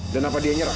dan apa dia nyerah